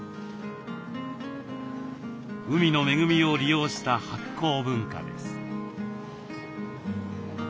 海の恵みを利用した発酵文化です。